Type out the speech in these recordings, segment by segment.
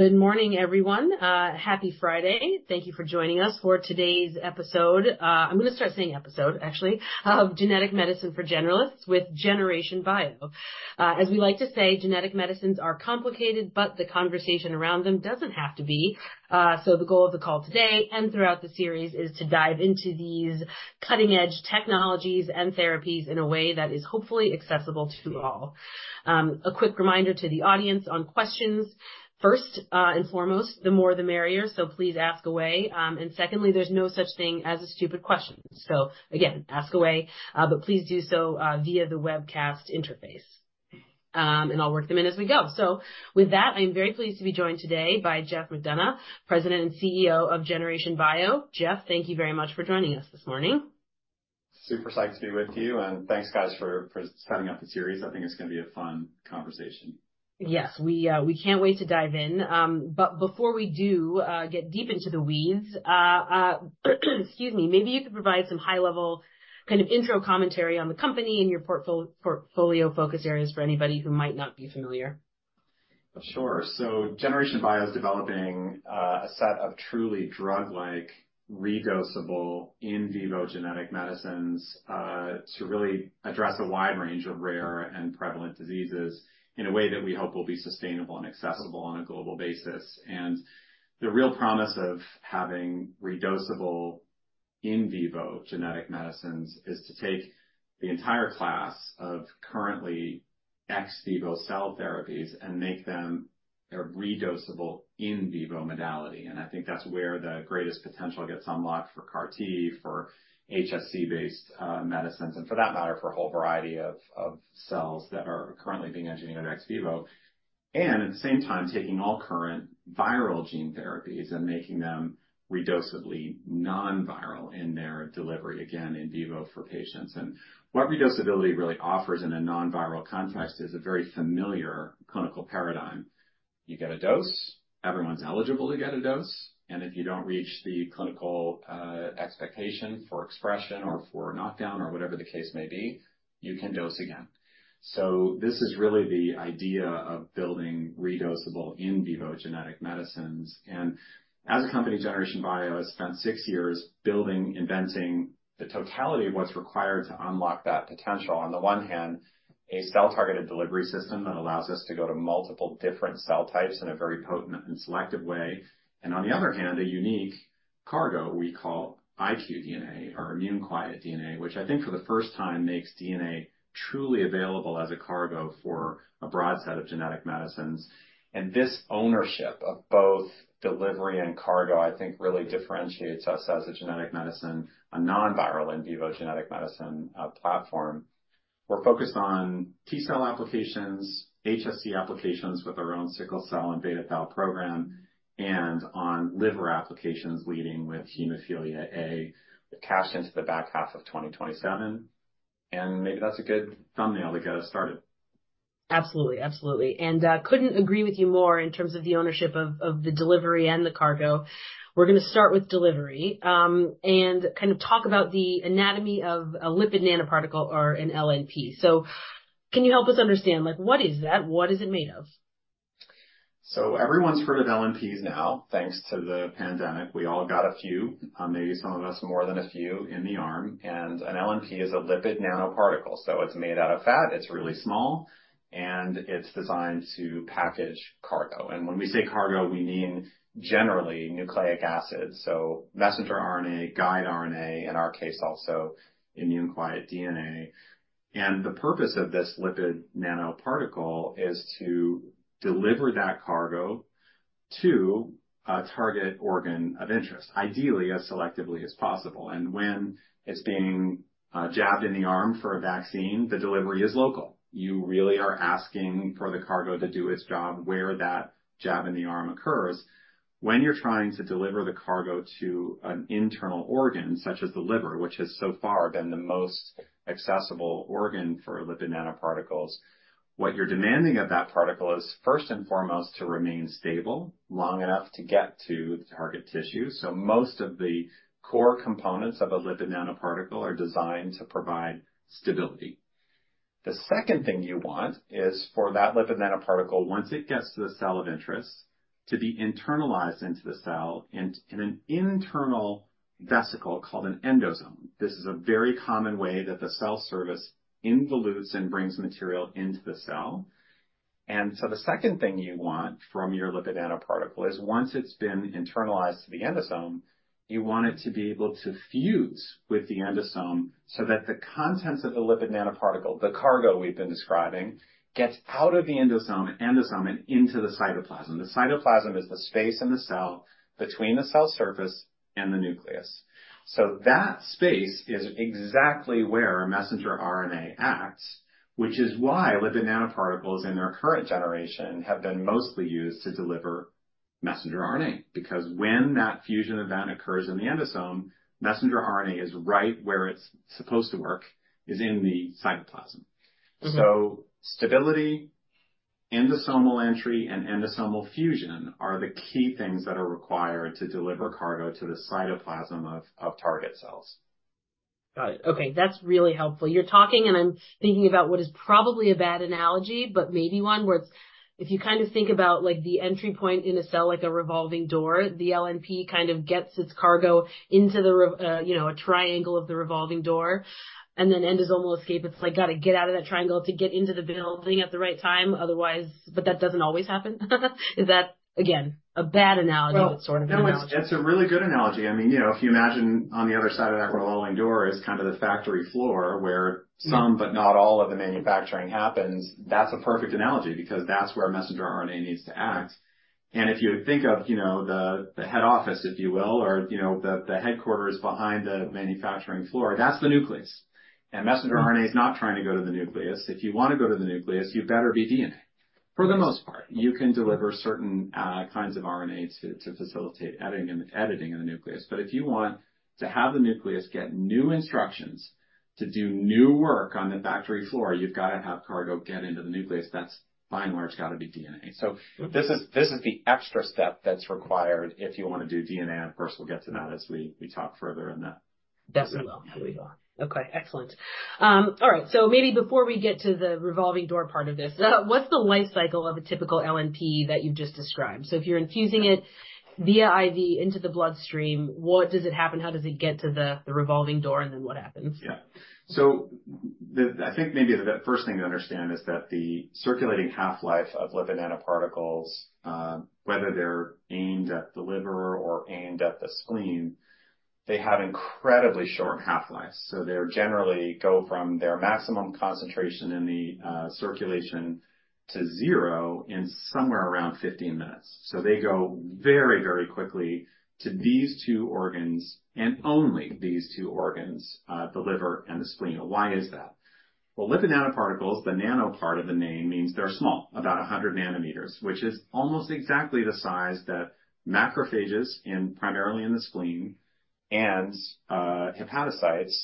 Good morning, everyone. Happy Friday. Thank you for joining us for today's episode. I'm going to start saying episode, actually, of Genetic Medicine for Generalists with Generation Bio. As we like to say, genetic medicines are complicated, but the conversation around them doesn't have to be. So the goal of the call today and throughout the series is to dive into these cutting-edge technologies and therapies in a way that is hopefully accessible to all. A quick reminder to the audience on questions. First, and foremost, the more the merrier, so please ask away. And secondly, there's no such thing as a stupid question. So again, ask away, but please do so via the webcast interface. And I'll work them in as we go. With that, I'm very pleased to be joined today by Geoff McDonough, President and CEO of Generation Bio. Geoff, thank you very much for joining us this morning. Super psyched to be with you, and thanks, guys, for starting up the series. I think it's going to be a fun conversation. Yes, we, we can't wait to dive in. But before we do, get deep into the weeds, excuse me, maybe you could provide some high-level kind of intro commentary on the company and your portfolio focus areas for anybody who might not be familiar. Sure. So Generation Bio is developing a set of truly drug-like, redosable in vivo genetic medicines to really address a wide range of rare and prevalent diseases in a way that we hope will be sustainable and accessible on a global basis. And the real promise of having redosable in vivo genetic medicines is to take the entire class of currently ex vivo cell therapies and make them a redosable in vivo modality. And I think that's where the greatest potential gets unlocked for CAR-T, for HSC-based medicines, and for that matter, for a whole variety of cells that are currently being engineered ex vivo. And at the same time, taking all current viral gene therapies and making them redosably nonviral in their delivery, again, in vivo for patients. And what redosability really offers in a nonviral context is a very familiar clinical paradigm. You get a dose, everyone's eligible to get a dose, and if you don't reach the clinical expectation for expression or for knockdown or whatever the case may be, you can dose again. So this is really the idea of building redosable in vivo genetic medicines. And as a company, Generation Bio has spent six years building, inventing the totality of what's required to unlock that potential. On the one hand, a cell-targeted delivery system that allows us to go to multiple different cell types in a very potent and selective way. And on the other hand, a unique cargo we call iqDNA or immune-quiet DNA, which I think for the first time, makes DNA truly available as a cargo for a broad set of genetic medicines. This ownership of both delivery and cargo, I think, really differentiates us as a genetic medicine, a nonviral in vivo genetic medicine, platform. We're focused on T-cell applications, HSC applications with our own sickle cell and beta thal program, and on liver applications, leading with hemophilia A, with cash into the back half of 2027. Maybe that's a good thumbnail to get us started. Absolutely, absolutely. And couldn't agree with you more in terms of the ownership of the delivery and the cargo. We're going to start with delivery and kind of talk about the anatomy of a lipid nanoparticle or an LNP. So can you help us understand, like, what is that? What is it made of? So everyone's heard of LNPs now, thanks to the pandemic. We all got a few, maybe some of us more than a few in the arm. And an LNP is a lipid nanoparticle, so it's made out of fat. It's really small, and it's designed to package cargo. And when we say cargo, we mean generally nucleic acids, so messenger RNA, guide RNA, in our case, also immune-quiet DNA. And the purpose of this lipid nanoparticle is to deliver that cargo to a target organ of interest, ideally, as selectively as possible. And when it's being jabbed in the arm for a vaccine, the delivery is local. You really are asking for the cargo to do its job where that jab in the arm occurs. When you're trying to deliver the cargo to an internal organ, such as the liver, which has so far been the most accessible organ for lipid nanoparticles, what you're demanding of that particle is, first and foremost, to remain stable long enough to get to the target tissue. So most of the core components of a lipid nanoparticle are designed to provide stability. The second thing you want is for that lipid nanoparticle, once it gets to the cell of interest, to be internalized into the cell and in an internal vesicle called an endosome. This is a very common way that the cell surface involutes and brings material into the cell. So the second thing you want from your lipid nanoparticle is once it's been internalized to the endosome, you want it to be able to fuse with the endosome so that the contents of the lipid nanoparticle, the cargo we've been describing, gets out of the endosome and into the cytoplasm. The cytoplasm is the space in the cell between the cell surface and the nucleus. So that space is exactly where messenger RNA acts, which is why lipid nanoparticles in their current generation have been mostly used to deliver messenger RNA. Because when that fusion event occurs in the endosome, messenger RNA is right where it's supposed to work, is in the cytoplasm. Mm-hmm. Stability, endosomal entry, and endosomal fusion are the key things that are required to deliver cargo to the cytoplasm of target cells.... Got it. Okay, that's really helpful. You're talking, and I'm thinking about what is probably a bad analogy, but maybe one where it's, if you kind of think about, like, the entry point in a cell, like a revolving door, the LNP kind of gets its cargo into the revolving door, you know, a triangle of the revolving door, and then endosomal escape, it's like, gotta get out of that triangle to get into the building at the right time. Otherwise... But that doesn't always happen? Is that, again, a bad analogy, but sort of an analogy. No, it's, it's a really good analogy. I mean, you know, if you imagine on the other side of that revolving door is kind of the factory floor, where some, but not all, of the manufacturing happens, that's a perfect analogy, because that's where messenger RNA needs to act. And if you think of, you know, the, the head office, if you will, or, you know, the, the headquarters behind the manufacturing floor, that's the nucleus. And messenger RNA is not trying to go to the nucleus. If you want to go to the nucleus, you better be DNA, for the most part. You can deliver certain kinds of RNA to facilitate editing in the nucleus. But if you want to have the nucleus get new instructions to do new work on the factory floor, you've got to have cargo get into the nucleus, that's fine, where it's got to be DNA. So this is the extra step that's required if you want to do DNA, and, of course, we'll get to that as we talk further in that. Definitely will. Here we are. Okay, excellent. All right. So maybe before we get to the revolving door part of this, what's the life cycle of a typical LNP that you've just described? So if you're infusing it via IV into the bloodstream, what does it happen? How does it get to the revolving door, and then what happens? Yeah. So I think maybe the first thing to understand is that the circulating half-life of lipid nanoparticles, whether they're aimed at the liver or aimed at the spleen, they have incredibly short half-lives, so they generally go from their maximum concentration in the circulation to zero in somewhere around 15 minutes. So they go very, very quickly to these two organs and only these two organs, the liver and the spleen. Why is that? Well, lipid nanoparticles, the nano part of the name, means they're small, about 100 nanometers, which is almost exactly the size that macrophages, and primarily in the spleen, and hepatocytes,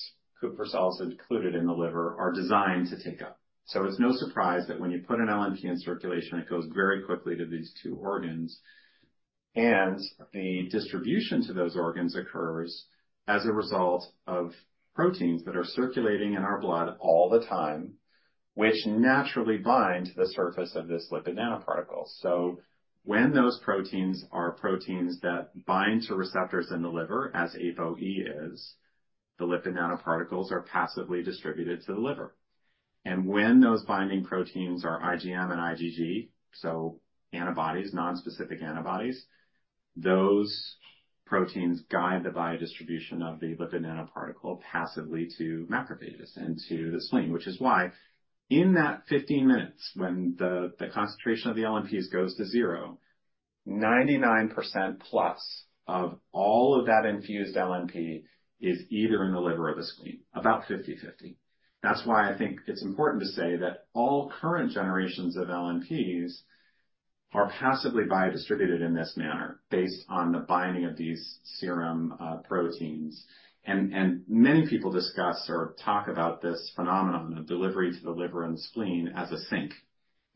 Kupffer cells included in the liver, are designed to take up. So it's no surprise that when you put an LNP in circulation, it goes very quickly to these two organs, and the distribution to those organs occurs as a result of proteins that are circulating in our blood all the time, which naturally bind to the surface of this lipid nanoparticle. So when those proteins are proteins that bind to receptors in the liver, as ApoE is, the lipid nanoparticles are passively distributed to the liver. And when those binding proteins are IgM and IgG, so antibodies, nonspecific antibodies, those proteins guide the biodistribution of the lipid nanoparticle passively to macrophages and to the spleen, which is why, in that 15 minutes, when the concentration of the LNPs goes to zero, 99% plus of all of that infused LNP is either in the liver or the spleen, about 50/50. That's why I think it's important to say that all current generations of LNPs are passively biodistributed in this manner, based on the binding of these serum proteins. And, and many people discuss or talk about this phenomenon of delivery to the liver and the spleen as a sink.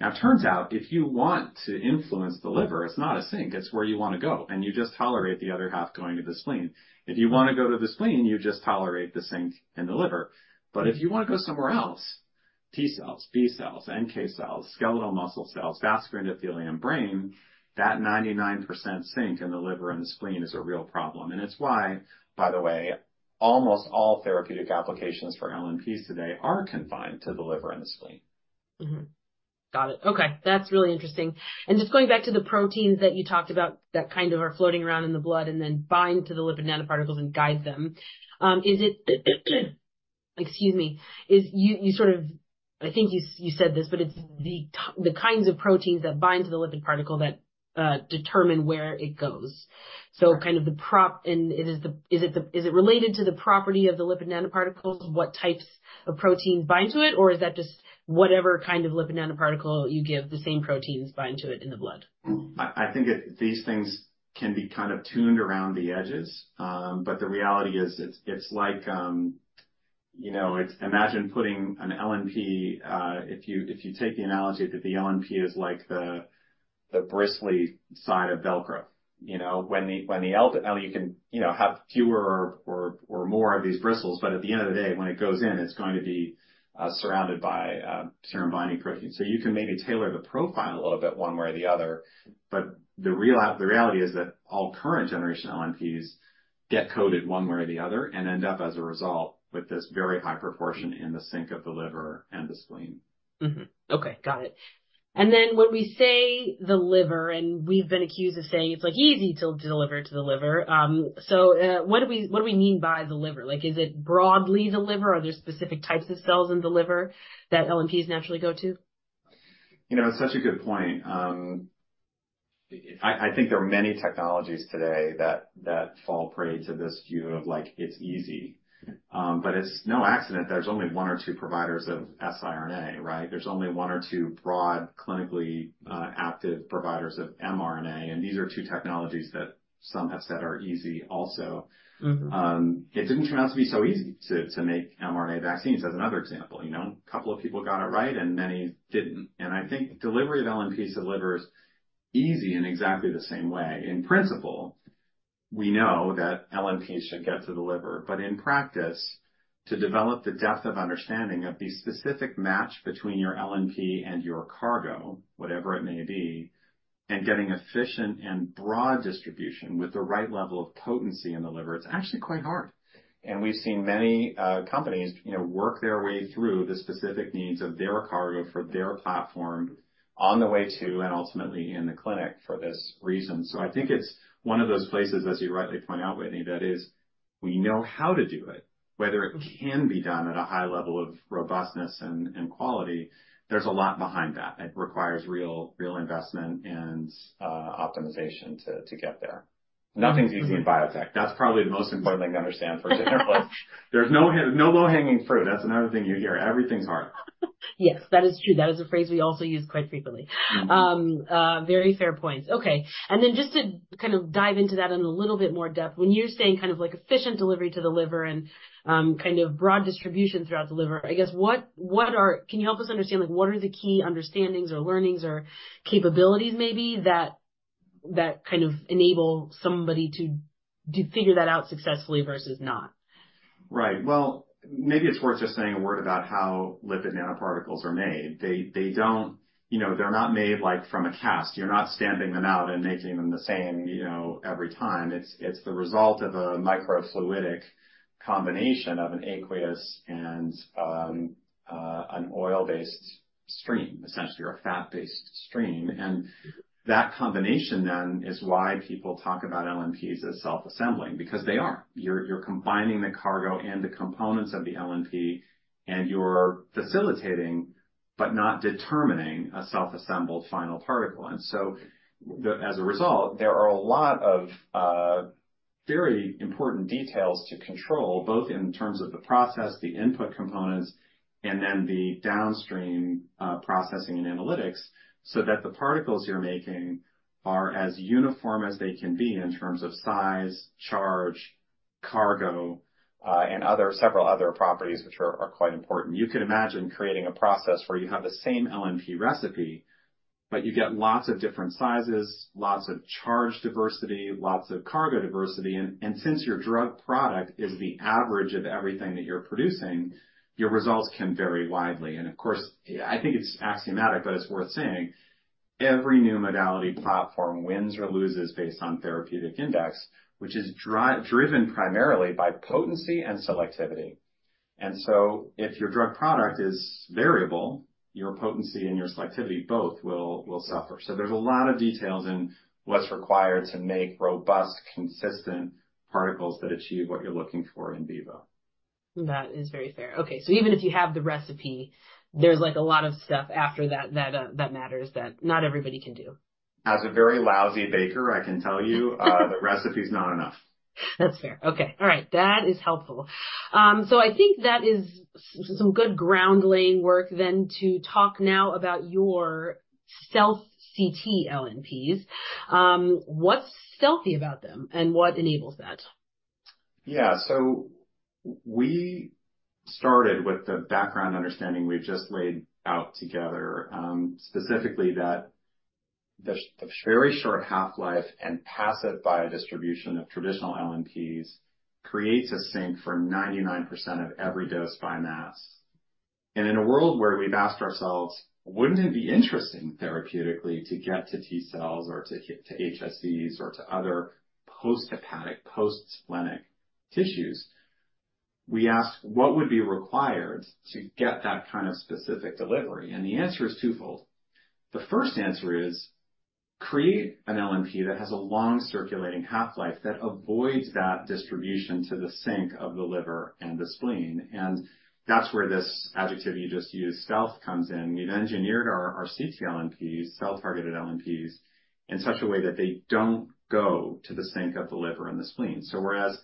Now, it turns out, if you want to influence the liver, it's not a sink, it's where you want to go, and you just tolerate the other half going to the spleen. If you want to go to the spleen, you just tolerate the sink and the liver. But if you want to go somewhere else, T-cells, B-cells, NK cells, skeletal muscle cells, vascular endothelium, brain, that 99% sink in the liver and the spleen is a real problem. It's why, by the way, almost all therapeutic applications for LNPs today are confined to the liver and the spleen. Mm-hmm. Got it. Okay, that's really interesting. And just going back to the proteins that you talked about that kind of are floating around in the blood and then bind to the lipid nanoparticles and guide them. Is it, excuse me. You sort of, I think you said this, but it's the kinds of proteins that bind to the lipid particle that determine where it goes? Right. So kind of the property, is it related to the property of the lipid nanoparticles? What types of proteins bind to it, or is that just whatever kind of lipid nanoparticle you give, the same proteins bind to it in the blood? I think these things can be kind of tuned around the edges. But the reality is, it's like, you know, it's imagine putting an LNP, if you take the analogy that the LNP is like the bristly side of Velcro, you know, now you can have fewer or more of these bristles, but at the end of the day, when it goes in, it's going to be surrounded by serum binding proteins. So you can maybe tailor the profile a little bit one way or the other, but the reality is that all current generation LNPs get coded one way or the other and end up, as a result, with this very high proportion in the sink of the liver and the spleen. Mm-hmm. Okay, got it. And then when we say the liver, and we've been accused of saying it's, like, easy to deliver to the liver, what do we, what do we mean by the liver? Like, is it broadly the liver, or are there specific types of cells in the liver that LNPs naturally go to? You know, it's such a good point. I think there are many technologies today that fall prey to this view of, like, it's easy. But it's no accident there's only one or two providers of siRNA, right? There's only one or two broad, clinically active providers of MRNA, and these are two technologies that some have said are easy also. Mm-hmm. It didn't turn out to be so easy to make MRNA vaccines, as another example, you know, a couple of people got it right and many didn't. And I think delivery of LNPs to livers easy in exactly the same way. In principle, we know that LNP should get to the liver, but in practice, to develop the depth of understanding of the specific match between your LNP and your cargo, whatever it may be, and getting efficient and broad distribution with the right level of potency in the liver, it's actually quite hard. And we've seen many companies, you know, work their way through the specific needs of their cargo for their platform on the way to and ultimately in the clinic for this reason. So I think it's one of those places, as you rightly point out, Whitney, that is, we know how to do it, whether it can be done at a high level of robustness and quality, there's a lot behind that. It requires real, real investment and optimization to get there. Nothing's easy in biotech. That's probably the most important thing to understand first-hand. There's no low-hanging fruit. That's another thing you hear. Everything's hard. Yes, that is true. That is a phrase we also use quite frequently. Mm-hmm. Very fair point. Okay, and then just to kind of dive into that in a little bit more depth, when you're saying kind of like efficient delivery to the liver and, kind of broad distribution throughout the liver, I guess, what, what are... Can you help us understand, like, what are the key understandings or learnings or capabilities maybe that, that kind of enable somebody to, to figure that out successfully versus not? Right. Well, maybe it's worth just saying a word about how lipid nanoparticles are made. They, they don't, you know, they're not made like from a cast. You're not stamping them out and making them the same, you know, every time. It's, it's the result of a microfluidic combination of an aqueous and an oil-based stream, essentially, or a fat-based stream. And that combination then is why people talk about LNPs as self-assembling, because they are. You're, you're combining the cargo and the components of the LNP, and you're facilitating, but not determining a self-assembled final particle. And so, as a result, there are a lot of very important details to control, both in terms of the process, the input components, and then the downstream processing and analytics so that the particles you're making are as uniform as they can be in terms of size, charge, cargo, and other, several other properties which are quite important. You could imagine creating a process where you have the same LNP recipe, but you get lots of different sizes, lots of charge diversity, lots of cargo diversity, and since your drug product is the average of everything that you're producing, your results can vary widely. And of course, I think it's axiomatic, but it's worth saying, every new modality platform wins or loses based on therapeutic index, which is driven primarily by potency and selectivity. And so if your drug product is variable, your potency and your selectivity both will suffer. So there's a lot of details in what's required to make robust, consistent particles that achieve what you're looking for in vivo. That is very fair. Okay. So even if you have the recipe, there's like a lot of stuff after that, that, that matters that not everybody can do. As a very lousy baker, I can tell you, the recipe is not enough. That's fair. Okay. All right, that is helpful. So I think that is some good ground-laying work then to talk now about your stealth ctLNPs. What's stealthy about them and what enables that? Yeah. So we started with the background understanding we've just laid out together, specifically that the very short half-life and passive biodistribution of traditional LNPs creates a sink for 99% of every dose by mass. And in a world where we've asked ourselves: Wouldn't it be interesting therapeutically, to get to T-cells or to HSCs or to other post-hepatic, post-splenic tissues? We ask, what would be required to get that kind of specific delivery? And the answer is twofold. The first answer is, create an LNP that has a long-circulating half-life that avoids that distribution to the sink of the liver and the spleen, and that's where this adjective you just used, stealth, comes in. We've engineered our ctLNPs, cell-targeted LNPs, in such a way that they don't go to the sink of the liver and the spleen. So whereas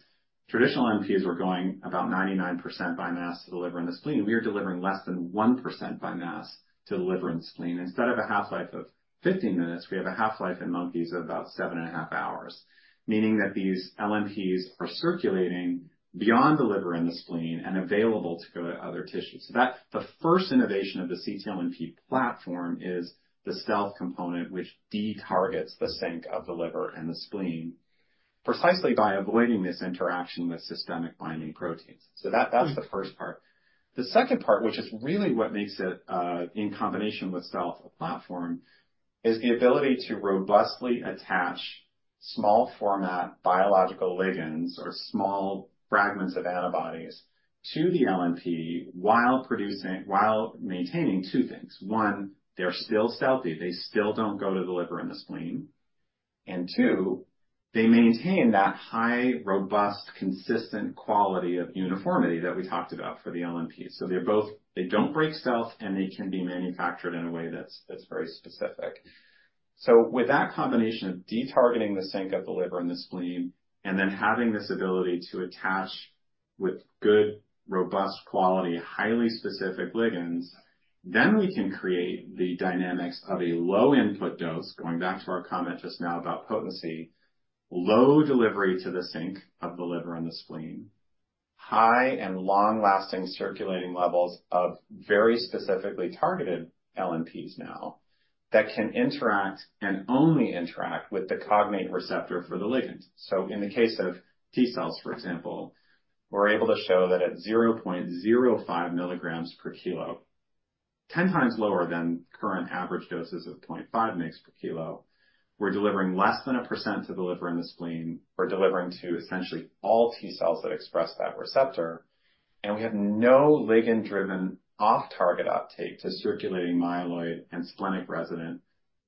traditional LNPs were going about 99% by mass to the liver and the spleen, we are delivering less than 1% by mass to the liver and spleen. Instead of a half-life of 15 minutes, we have a half-life in monkeys of about 7.5 hours, meaning that these LNPs are circulating beyond the liver and the spleen and available to go to other tissues. So that's the first innovation of the ctLNP platform, is the stealth component, which de-targets the sink of the liver and the spleen, precisely by avoiding this interaction with systemic binding proteins. So that, that's the first part. The second part, which is really what makes it, in combination with stealth platform, is the ability to robustly attach small format biological ligands or small fragments of antibodies to the LNP while maintaining two things. One, they're still stealthy, they still don't go to the liver and the spleen, and two, they maintain that high, robust, consistent quality of uniformity that we talked about for the LNP. So they're both... They don't break stealth, and they can be manufactured in a way that's very specific. So with that combination of de-targeting the sink of the liver and the spleen, and then having this ability to attach with good, robust quality, highly specific ligands, then we can create the dynamics of a low input dose, going back to our comment just now about potency, low delivery to the sink of the liver and the spleen.... high and long-lasting circulating levels of very specifically targeted LNPs now, that can interact and only interact with the cognate receptor for the ligand. So in the case of T-cells, for example, we're able to show that at 0.05 milligrams per kilo, 10 times lower than current average doses of 0.5 mg per kilo, we're delivering less than 1% to the liver and the spleen. We're delivering to essentially all T-cells that express that receptor, and we have no ligand-driven off-target uptake to circulating myeloid and splenic resident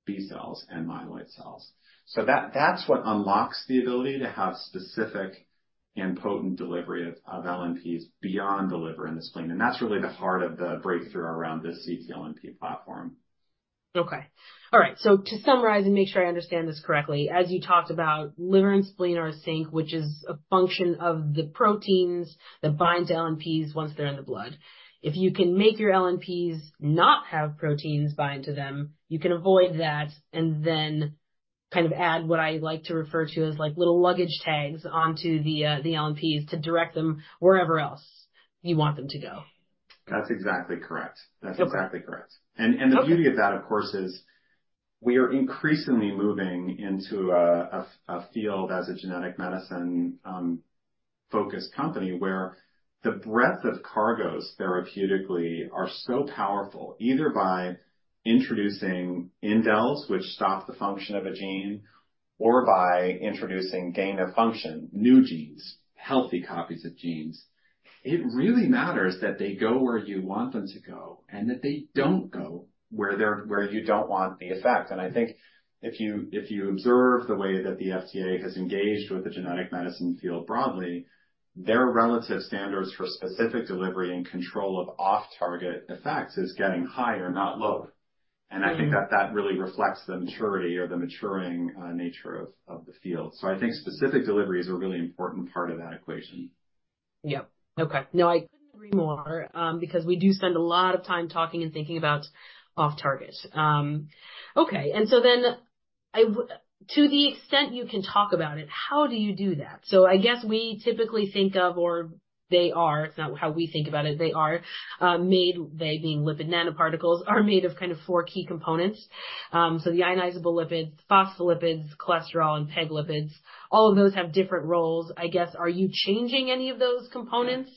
B-cells and myeloid cells. So that, that's what unlocks the ability to have specific and potent delivery of, of LNPs beyond the liver and the spleen. And that's really the heart of the breakthrough around this ctLNP platform. Okay. All right. So to summarize and make sure I understand this correctly, as you talked about liver and spleen are a sink, which is a function of the proteins that binds LNPs once they're in the blood. If you can make your LNPs not have proteins bind to them, you can avoid that and then kind of add what I like to refer to as, like, little luggage tags onto the, the LNPs to direct them wherever else you want them to go. That's exactly correct. Okay. That's exactly correct. Okay. The beauty of that, of course, is we are increasingly moving into a field as a genetic medicine focused company, where the breadth of cargoes therapeutically are so powerful, either by introducing indels, which stop the function of a gene, or by introducing gain-of-function, new genes, healthy copies of genes. It really matters that they go where you want them to go, and that they don't go where you don't want the effect. And I think if you observe the way that the FDA has engaged with the genetic medicine field broadly, their relative standards for specific delivery and control of off-target effects is getting higher, not lower. Mm-hmm. I think that that really reflects the maturity or the maturing nature of the field. I think specific delivery is a really important part of that equation. Yep. Okay. No, I couldn't agree more, because we do spend a lot of time talking and thinking about off-target. Okay, and so then to the extent you can talk about it, how do you do that? So I guess we typically think of, or they are, it's not how we think about it. They are, made, they being lipid nanoparticles, are made of kind of four key components. So the ionizable lipids, phospholipids, cholesterol, and peg lipids, all of those have different roles. I guess, are you changing any of those components?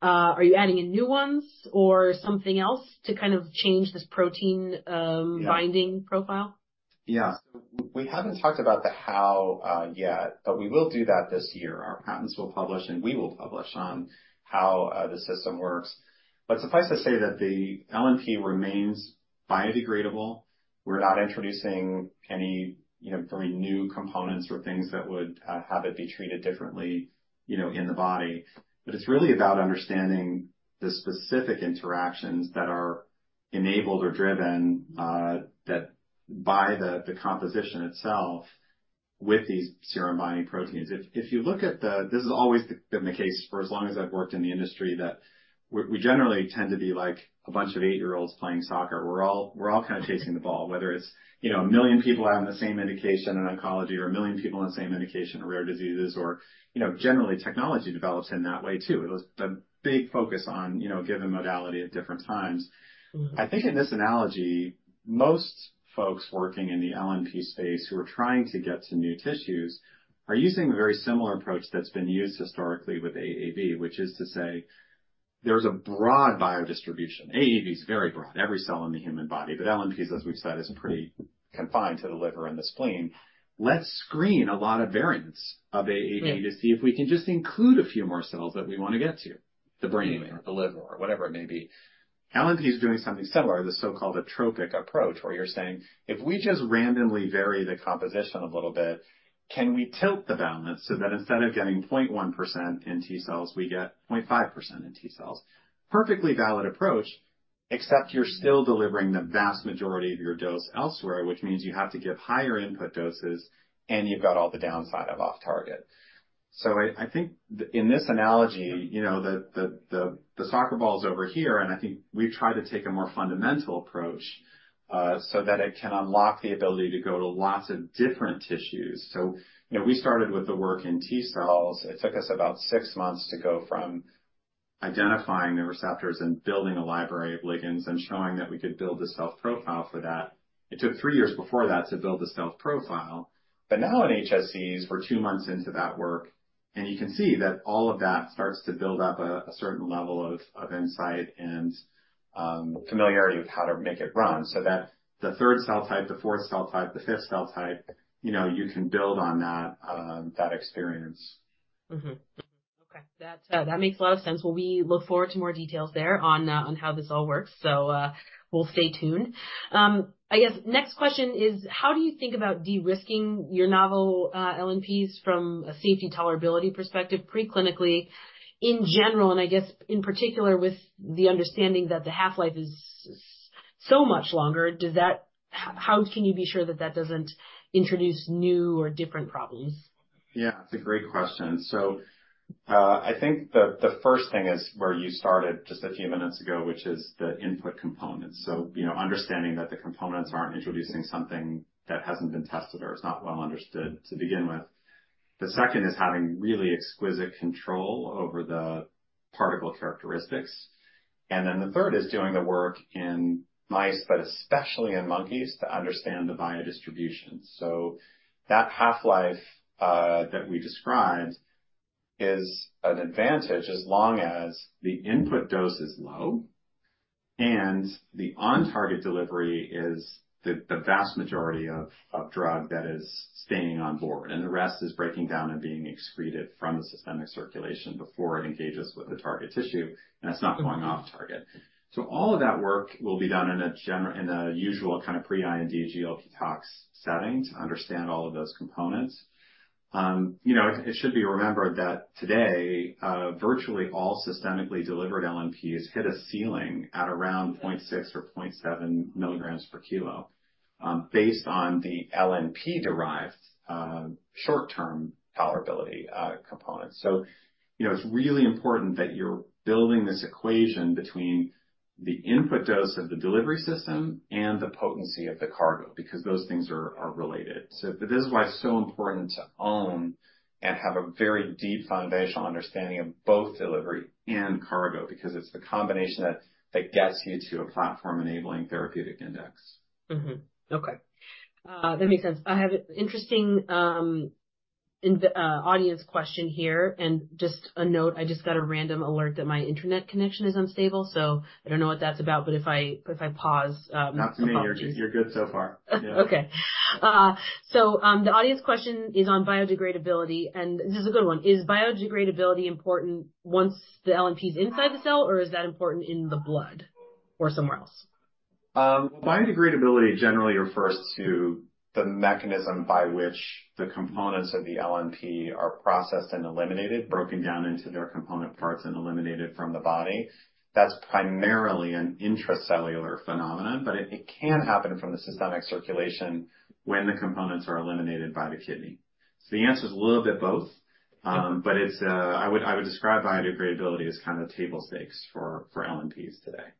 Are you adding in new ones or something else to kind of change this protein? Yeah... binding profile? Yeah. We haven't talked about the how yet, but we will do that this year. Our patents will publish, and we will publish on how the system works. But suffice to say that the LNP remains biodegradable. We're not introducing any, you know, very new components or things that would have it be treated differently, you know, in the body. But it's really about understanding the specific interactions that are enabled or driven that by the, the composition itself with these serum binding proteins. If, if you look at the... This has always been the case for as long as I've worked in the industry, that we, we generally tend to be like a bunch of eight-year-olds playing soccer. We're all, we're all kind of chasing the ball, whether it's, you know, 1 million people having the same indication in oncology or 1 million people in the same indication of rare diseases or, you know, generally technology develops in that way, too. There's a big focus on, you know, given modality at different times. Mm-hmm. I think in this analogy, most folks working in the LNP space who are trying to get to new tissues, are using a very similar approach that's been used historically with AAV, which is to say there's a broad biodistribution. AAV is very broad, every cell in the human body, but LNPs, as we've said, is pretty confined to the liver and the spleen. Let's screen a lot of variants of AAV- Yeah to see if we can just include a few more cells that we want to get to, the brain or the liver or whatever it may be. LNP is doing something similar, the so-called entropic approach, where you're saying: If we just randomly vary the composition a little bit, can we tilt the balance so that instead of getting 0.1% in T-cells, we get 0.5% in T-cells? Perfectly valid approach, except you're still delivering the vast majority of your dose elsewhere, which means you have to give higher input doses, and you've got all the downside of off-target. So I, I think in this analogy, you know, the soccer ball is over here, and I think we've tried to take a more fundamental approach, so that it can unlock the ability to go to lots of different tissues. So you know, we started with the work in T-cells. It took us about six months to go from identifying the receptors and building a library of ligands and showing that we could build a stealth profile for that. It took three years before that to build a stealth profile, but now in HSCs, we're two months into that work, and you can see that all of that starts to build up a certain level of insight and familiarity with how to make it run. So that the third cell type, the fourth cell type, the fifth cell type, you know, you can build on that experience. Mm-hmm. Mm-hmm. Okay. That, that makes a lot of sense. Well, we look forward to more details there on, on how this all works. So, we'll stay tuned. I guess next question is, how do you think about de-risking your novel, LNPs from a safety tolerability perspective, pre-clinically, in general, and I guess in particular, with the understanding that the half-life is so much longer, does that... How can you be sure that that doesn't introduce new or different problems? Yeah, it's a great question. So, I think the first thing is where you started just a few minutes ago, which is the input components. So you know, understanding that the components aren't introducing something that hasn't been tested or it's not well understood to begin with. The second is having really exquisite control over the particle characteristics. And then the third is doing the work in mice, but especially in monkeys, to understand the biodistribution. So that half-life that we described is an advantage as long as the input dose is low and the on-target delivery is the vast majority of drug that is staying on board, and the rest is breaking down and being excreted from the systemic circulation before it engages with the target tissue, and it's not going off target. So all of that work will be done in a usual kind of pre-IND GLP tox setting to understand all of those components. You know, it, it should be remembered that today, virtually all systemically delivered LNPs hit a ceiling at around 0.6 or 0.7 milligrams per kilo, based on the LNP-derived, short-term tolerability, component. So, you know, it's really important that you're building this equation between the input dose of the delivery system and the potency of the cargo, because those things are, are related. So this is why it's so important to own and have a very deep foundational understanding of both delivery and cargo, because it's the combination that, that gets you to a platform enabling therapeutic index. Mm-hmm. Okay. That makes sense. I have an interesting audience question here, and just a note, I just got a random alert that my internet connection is unstable, so I don't know what that's about, but if I pause, Not to me, you're good so far. Okay. So, the audience question is on biodegradability, and this is a good one: Is biodegradability important once the LNP is inside the cell, or is that important in the blood or somewhere else? Biodegradability generally refers to the mechanism by which the components of the LNP are processed and eliminated, broken down into their component parts, and eliminated from the body. That's primarily an intracellular phenomenon, but it can happen from the systemic circulation when the components are eliminated by the kidney. So the answer is a little bit both. But it's, I would describe biodegradability as kind of table stakes for LNPs today.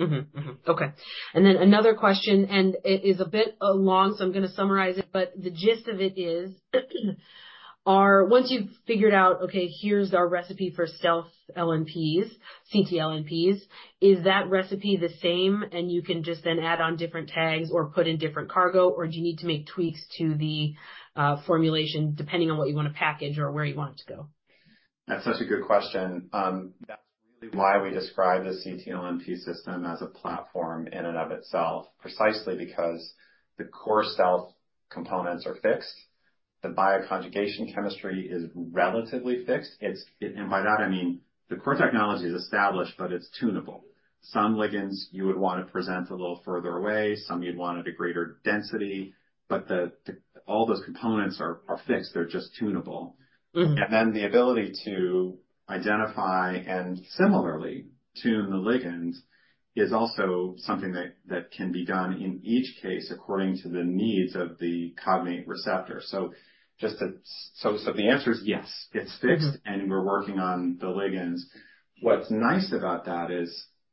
Mm-hmm. Mm-hmm. Okay, and then another question, and it is a bit long, so I'm going to summarize it, but the gist of it is, once you've figured out, okay, here's our recipe for stealth LNPs, ctLNPs, is that recipe the same and you can just then add on different tags or put in different cargo, or do you need to make tweaks to the formulation depending on what you want to package or where you want it to go? That's such a good question. That's really why we describe the ctLNP system as a platform in and of itself, precisely because the core stealth components are fixed, the bioconjugation chemistry is relatively fixed. And by that I mean, the core technology is established, but it's tunable. Some ligands you would want to present a little further away, some you'd want at a greater density, but all those components are fixed, they're just tunable. Mm-hmm. Then the ability to identify and similarly tune the ligands is also something that can be done in each case according to the needs of the cognate receptor. So the answer is yes, it's fixed- Mm-hmm. And we're working on the ligands. What's nice about that is,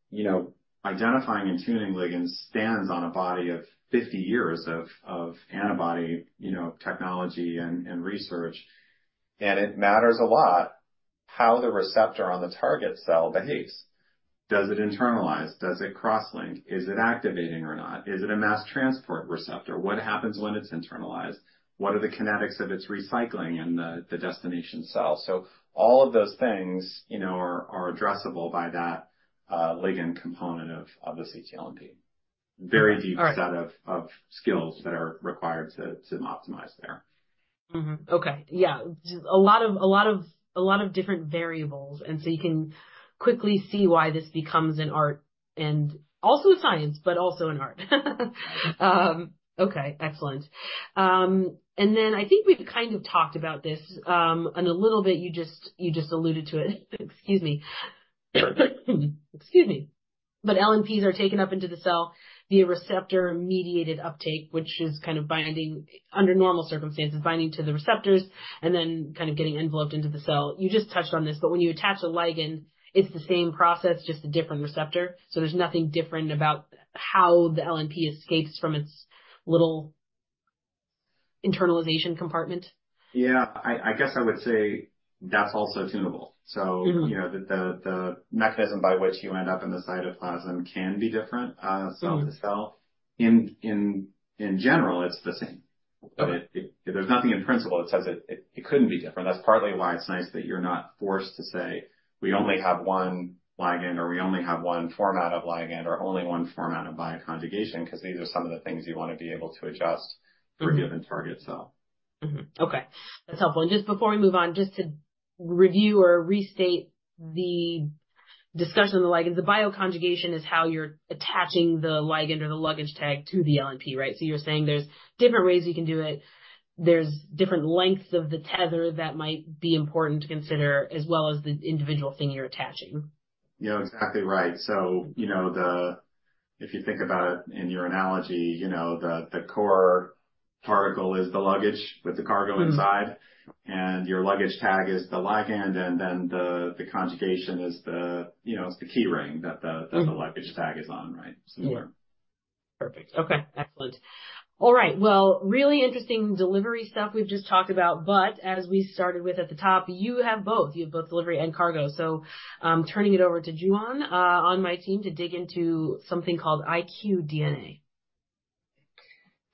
you know, identifying and tuning ligands stands on a body of 50 years of antibody technology and research. And it matters a lot how the receptor on the target cell behaves. Does it internalize? Does it cross-link? Is it activating or not? Is it a mass transport receptor? What happens when it's internalized? What are the kinetics of its recycling in the destination cell? So all of those things, you know, are addressable by that ligand component of the ctLNP. All right. Very deep set of skills that are required to optimize there. Mm-hmm. Okay. Yeah, just a lot of, a lot of, a lot of different variables, and so you can quickly see why this becomes an art and also a science, but also an art. Okay, excellent. And then I think we've kind of talked about this, and a little bit, you just, you just alluded to it. But LNPs are taken up into the cell via receptor-mediated uptake, which is kind of binding, under normal circumstances, binding to the receptors and then kind of getting enveloped into the cell. You just touched on this, but when you attach a ligand, it's the same process, just a different receptor. So there's nothing different about how the LNP escapes from its little internalization compartment? Yeah. I guess I would say that's also tunable. Mm-hmm. So, you know, the mechanism by which you end up in the cytoplasm can be different, cell to cell. In general, it's the same. Okay. There's nothing in principle that says it, it couldn't be different. That's partly why it's nice that you're not forced to say, "We only have one ligand, or we only have one format of ligand, or only one format of bioconjugation," because these are some of the things you want to be able to adjust- Mm-hmm. for a given target cell. Mm-hmm. Okay, that's helpful. And just before we move on, just to review or restate the discussion on the ligand, the bioconjugation is how you're attaching the ligand or the luggage tag to the LNP, right? So you're saying there's different ways you can do it, there's different lengths of the tether that might be important to consider, as well as the individual thing you're attaching. Yeah, exactly right. So you know, if you think about it in your analogy, you know, the core particle is the luggage with the cargo inside- Mm. -and your luggage tag is the ligand, and then the conjugation is, you know, the key ring that the- Mm. The luggage tag is on, right? Similar.... Perfect. Okay, excellent. All right, well, really interesting delivery stuff we've just talked about, but as we started with at the top, you have both. You have both delivery and cargo. So, turning it over to Juan, on my team to dig into something called iqDNA.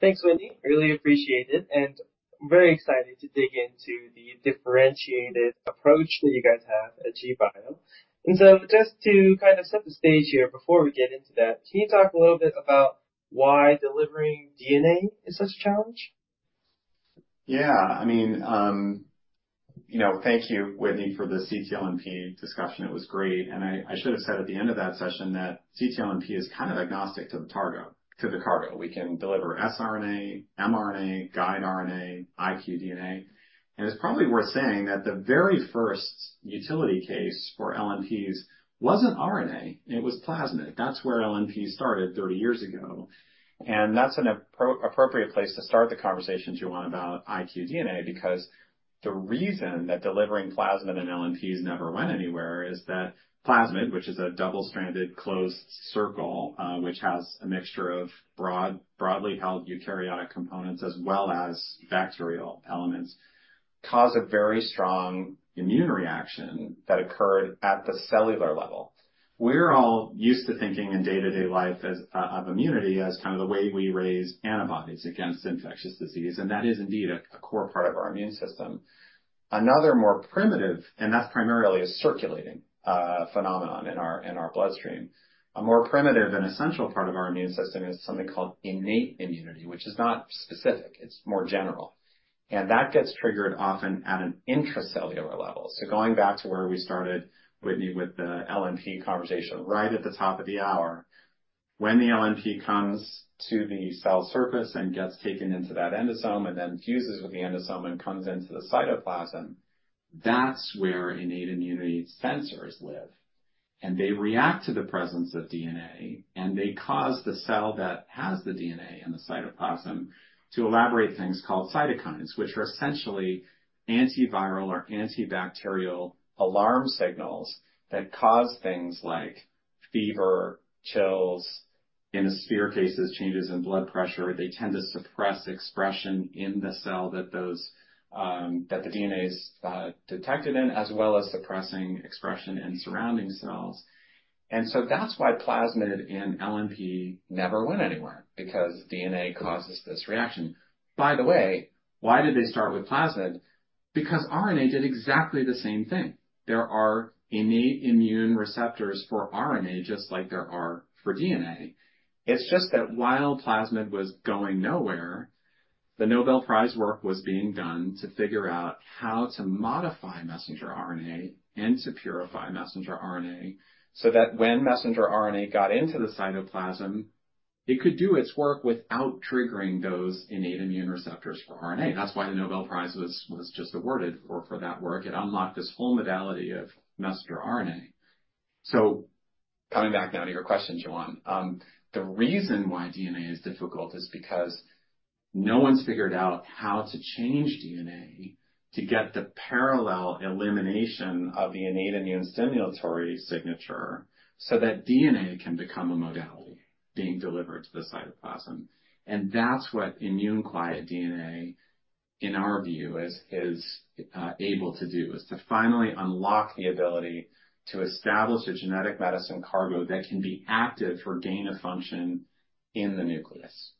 Thanks, Whitney. Really appreciate it, and very excited to dig into the differentiated approach that you guys have at G Bio. And so just to kind of set the stage here before we get into that, can you talk a little bit about why delivering DNA is such a challenge? Yeah, I mean, you know, thank you, Whitney, for the ctLNP discussion. It was great, and I should have said at the end of that session that ctLNP is kind of agnostic to the cargo, to the cargo. We can deliver siRNA, MRNA, guide RNA, iqDNA, and it's probably worth saying that the very first utility case for LNPs wasn't RNA, it was plasmid. That's where LNPs started 30 years ago, and that's an appropriate place to start the conversation, Juan, about iqDNA, because the reason that delivering plasmid and LNPs never went anywhere is that plasmid, which is a double-stranded closed circle, which has a mixture of broadly held eukaryotic components as well as bacterial elements, cause a very strong immune reaction that occurred at the cellular level. We're all used to thinking in day-to-day life as, of immunity, as kind of the way we raise antibodies against infectious disease, and that is indeed a core part of our immune system. Another more primitive, and that's primarily a circulating phenomenon in our bloodstream. A more primitive and essential part of our immune system is something called innate immunity, which is not specific, it's more general, and that gets triggered often at an intracellular level. So going back to where we started, Whitney, with the LNP conversation, right at the top of the hour, when the LNP comes to the cell surface and gets taken into that endosome, and then fuses with the endosome and comes into the cytoplasm, that's where innate immunity sensors live. They react to the presence of DNA, and they cause the cell that has the DNA in the cytoplasm to elaborate things called cytokines, which are essentially antiviral or antibacterial alarm signals that cause things like fever, chills, in severe cases, changes in blood pressure. They tend to suppress expression in the cell that the DNA is detected in, as well as suppressing expression in surrounding cells. So that's why plasmid in LNP never went anywhere, because DNA causes this reaction. By the way, why did they start with plasmid? Because RNA did exactly the same thing. There are innate immune receptors for RNA, just like there are for DNA. It's just that while plasmid was going nowhere, the Nobel Prize work was being done to figure out how to modify messenger RNA and to purify messenger RNA, so that when messenger RNA got into the cytoplasm, it could do its work without triggering those innate immune receptors for RNA. That's why the Nobel Prize was, was just awarded for, for that work. It unlocked this whole modality of messenger RNA. So coming back now to your question, Juan. The reason why DNA is difficult is because no one's figured out how to change DNA to get the parallel elimination of the innate immune stimulatory signature, so that DNA can become a modality being delivered to the cytoplasm. That's what immune-quiet DNA, in our view, is able to do, is to finally unlock the ability to establish a genetic medicine cargo that can be active for gain of function in the nucleus.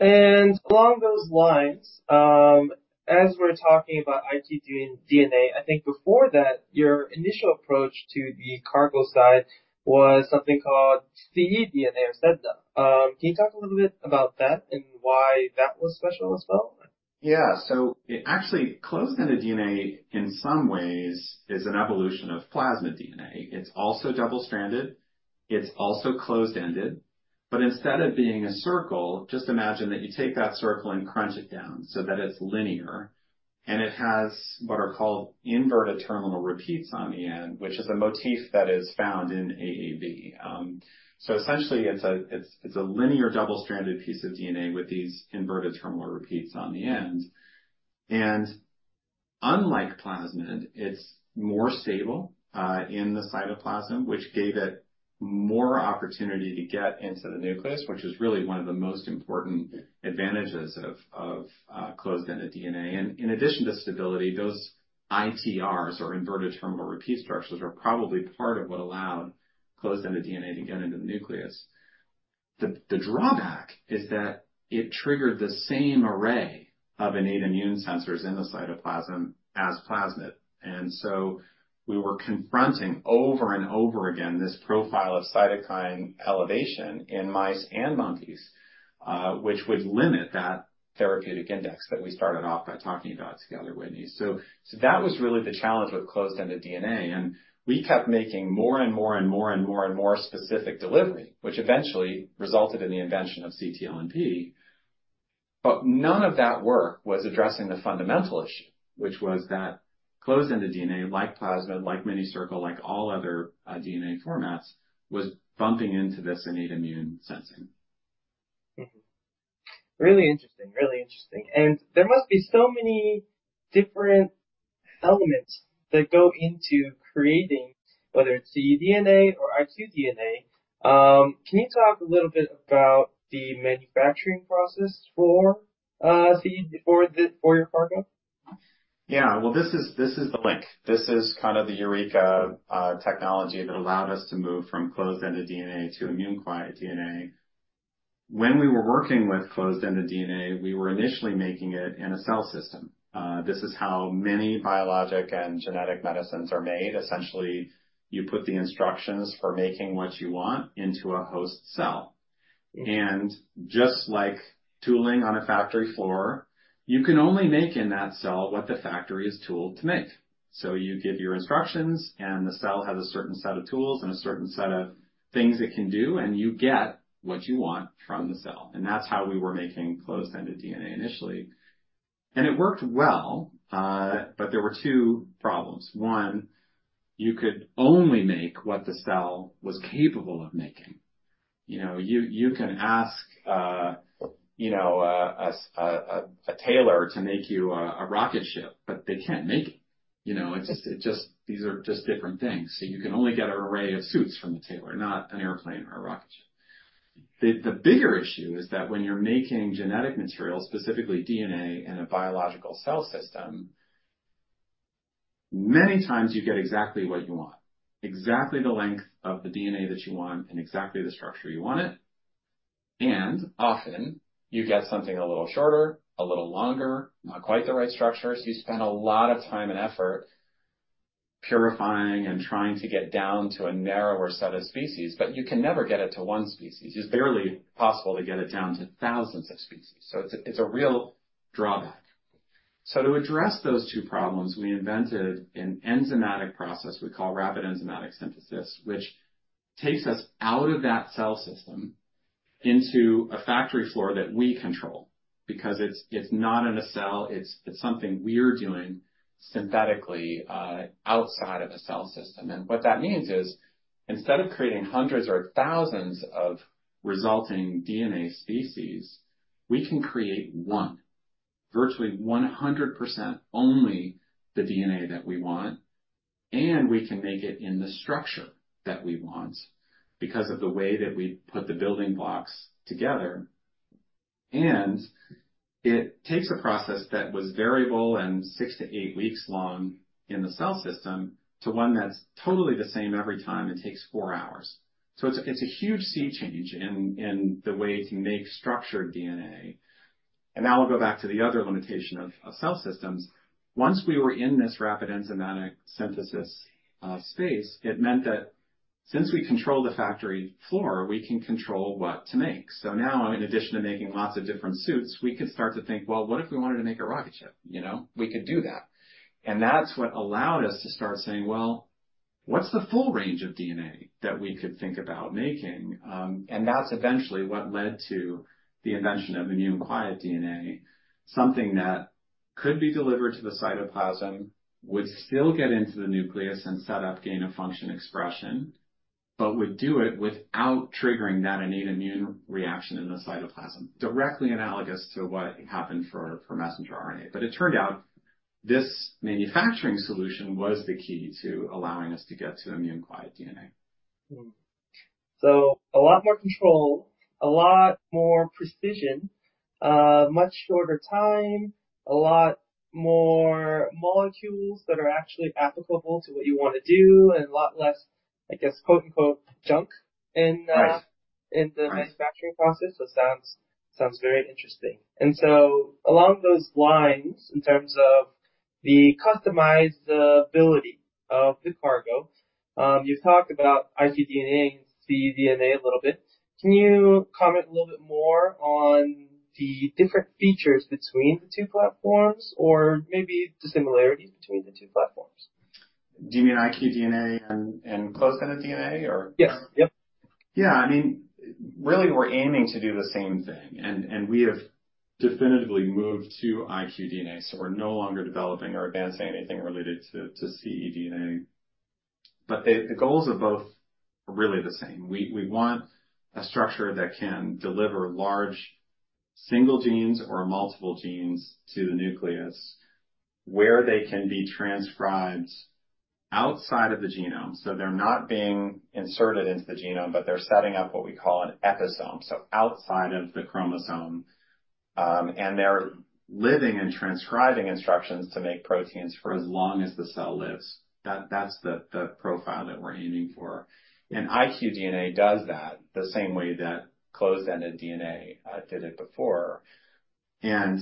Along those lines, as we're talking about iqDNA, I think before that, your initial approach to the cargo side was something called ceDNA. Can you talk a little bit about that and why that was special as well? Yeah, so actually, closed-ended DNA, in some ways is an evolution of plasmid DNA. It's also double-stranded, it's also closed-ended, but instead of being a circle, just imagine that you take that circle and crunch it down so that it's linear, and it has what are called inverted terminal repeats on the end, which is a motif that is found in AAV. So essentially, it's a linear, double-stranded piece of DNA with these inverted terminal repeats on the end. And unlike plasmid, it's more stable in the cytoplasm, which gave it more opportunity to get into the nucleus, which is really one of the most important advantages of closed-ended DNA. And in addition to stability, those ITRs or inverted terminal repeat structures, are probably part of what allowed closed-ended DNA to get into the nucleus. The drawback is that it triggered the same array of innate immune sensors in the cytoplasm as plasmid, and so we were confronting over and over again this profile of cytokine elevation in mice and monkeys, which would limit that therapeutic index that we started off by talking about together, Whitney. So that was really the challenge with closed-ended DNA, and we kept making more and more specific delivery, which eventually resulted in the invention of ctLNP. But none of that work was addressing the fundamental issue, which was that closed-ended DNA, like plasmid, like minicircle, like all other DNA formats, was bumping into this innate immune sensing.... Mm-hmm. Really interesting, really interesting. And there must be so many different elements that go into creating, whether it's ceDNA or iqDNA. Can you talk a little bit about the manufacturing process for ceDNA for your cargo? Yeah. Well, this is the link. This is kind of the eureka technology that allowed us to move from closed-ended DNA to immune-quiet DNA. When we were working with closed-ended DNA, we were initially making it in a cell system. This is how many biologic and genetic medicines are made. Essentially, you put the instructions for making what you want into a host cell. And just like tooling on a factory floor, you can only make in that cell what the factory is tooled to make. So you give your instructions, and the cell has a certain set of tools and a certain set of things it can do, and you get what you want from the cell. And that's how we were making closed-ended DNA initially. And it worked well, but there were two problems: one, you could only make what the cell was capable of making. You know, you can ask, you know, a tailor to make you a rocket ship, but they can't make it. You know, it's just—these are just different things. So you can only get an array of suits from the tailor, not an airplane or a rocket ship. The bigger issue is that when you're making genetic material, specifically DNA, in a biological cell system, many times you get exactly what you want, exactly the length of the DNA that you want, and exactly the structure you want it. And often you get something a little shorter, a little longer, not quite the right structure. So you spend a lot of time and effort purifying and trying to get down to a narrower set of species, but you can never get it to one species. It's barely possible to get it down to thousands of species, so it's a real drawback. To address those two problems, we invented an enzymatic process we call Rapid Enzymatic Synthesis, which takes us out of that cell system into a factory floor that we control because it's not in a cell, it's something we're doing synthetically outside of a cell system. What that means is, instead of creating hundreds or thousands of resulting DNA species, we can create one, virtually 100% only the DNA that we want, and we can make it in the structure that we want because of the way that we put the building blocks together. It takes a process that was variable and six to eight weeks long in the cell system to one that's totally the same every time, and takes 4 hours. So it's, it's a huge sea change in, in the way to make structured DNA. And now I'll go back to the other limitation of, of cell systems. Once we were in this Rapid Enzymatic Synthesis space, it meant that since we control the factory floor, we can control what to make. So now, in addition to making lots of different suits, we can start to think, well, what if we wanted to make a rocket ship? You know, we could do that. And that's what allowed us to start saying, "Well, what's the full range of DNA that we could think about making?" And that's eventually what led to the invention of immune-quiet DNA, something that could be delivered to the cytoplasm, would still get into the nucleus and set up gain of function expression, but would do it without triggering that innate immune reaction in the cytoplasm, directly analogous to what happened for messenger RNA. But it turned out this manufacturing solution was the key to allowing us to get to immune-quiet DNA. Mm-hmm. So a lot more control, a lot more precision, much shorter time, a lot more molecules that are actually applicable to what you want to do, and a lot less, I guess, quote-unquote, junk in, Right. in the manufacturing process. So sounds very interesting. And so along those lines, in terms of the customizability of the cargo, you've talked about iqDNA and ceDNA a little bit. Can you comment a little bit more on the different features between the two platforms, or maybe the similarities between the two platforms? Do you mean iqDNA and closed-ended DNA or? Yes. Yep. Yeah. I mean, really, we're aiming to do the same thing, and we have definitively moved to iqDNA, so we're no longer developing or advancing anything related to ceDNA. But the goals are both really the same. We want a structure that can deliver large single genes or multiple genes to the nucleus, where they can be transcribed outside of the genome. So they're not being inserted into the genome, but they're setting up what we call an episome, so outside of the chromosome, and they're living and transcribing instructions to make proteins for as long as the cell lives. That's the profile that we're aiming for. And iqDNA does that the same way that closed-ended DNA did it before. And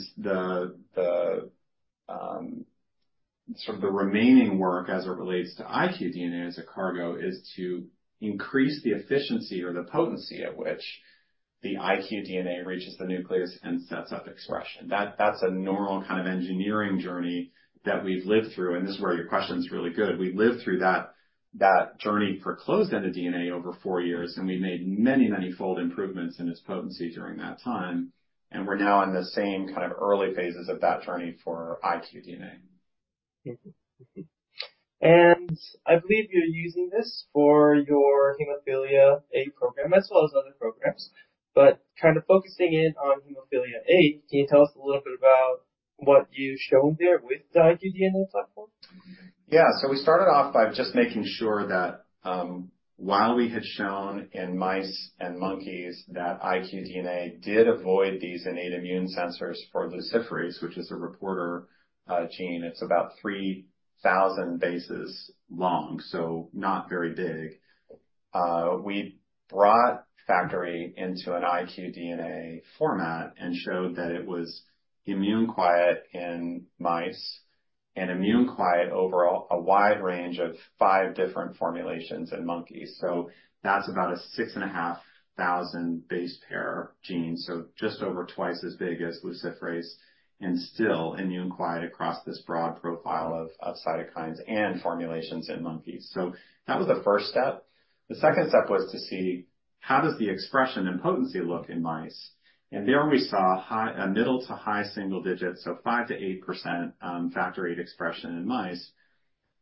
sort of the remaining work as it relates to iqDNA as a cargo is to increase the efficiency or the potency at which the iqDNA reaches the nucleus and sets up expression. That's a normal kind of engineering journey that we've lived through, and this is where your question's really good. We've lived through that journey for closed-ended DNA over four years, and we made many, many fold improvements in its potency during that time. And we're now in the same kind of early phases of that journey for iqDNA. ... Mm-hmm. Mm-hmm. And I believe you're using this for your Hemophilia A program as well as other programs, but kind of focusing in on Hemophilia A, can you tell us a little bit about what you've shown there with the iqDNA platform? Yeah. So we started off by just making sure that, while we had shown in mice and monkeys that iqDNA did avoid these innate immune sensors for luciferase, which is a reporter gene, it's about 3,000 bases long, so not very big. We brought Factor VIII into an iqDNA format and showed that it was immune quiet in mice and immune quiet over a wide range of five different formulations in monkeys. So that's about a 6,500 base pair gene, so just over twice as big as luciferase and still immune quiet across this broad profile of cytokines and formulations in monkeys. So that was the first step. The second step was to see how does the expression and potency look in mice? There we saw a middle- to high-single digits, so 5%-8%, Factor VIII expression in mice,